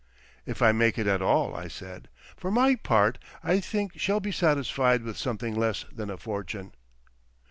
"If I make it at all," I said. "For my part I think shall be satisfied with something less than a fortune."